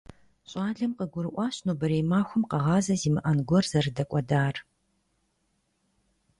Щӏалэм къыгурыӀуащ нобэрей махуэм къэгъазэ зимыӀэн гуэр зэрыдэкӀуэдар.